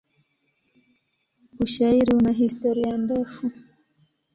Ushairi una historia ndefu.